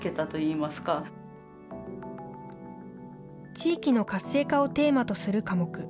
地域の活性化をテーマとする科目。